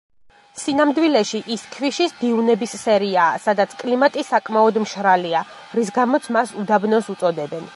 სინამდვილეში ის ქვიშის დიუნების სერიაა, სადაც კლიმატი საკმაოდ მშრალია, რის გამოც მას უდაბნოს უწოდებენ.